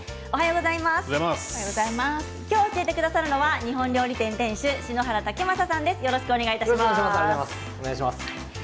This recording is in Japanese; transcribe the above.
今日教えてくださるのは日本料理店店主篠原武将さんです。